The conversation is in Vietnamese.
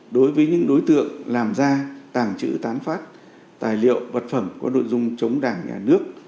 đối với những đối tượng làm ra tàng trữ tán phát tài liệu vật phẩm có nội dung chống đảng nhà nước